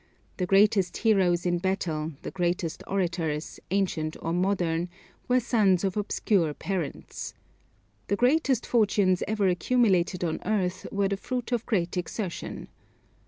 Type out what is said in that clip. The greatest heroes in battle, the greatest orators, ancient or modern, were sons of obscure parents. The greatest fortunes ever accumulated on earth were the fruit of great exertion.